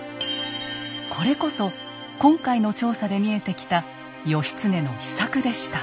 これこそ今回の調査で見えてきた義経の秘策でした。